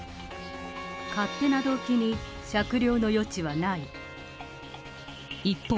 勝手な動機に酌量の余地はない。